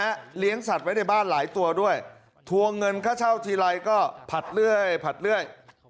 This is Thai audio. เลี้ยงสัตว์ไว้ในบ้านหลายตัวด้วยทวงเงินค่าเช่าทีไรก็ผัดเรื่อยผัดเรื่อย